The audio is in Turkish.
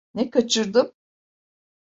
Ne kaçırdım?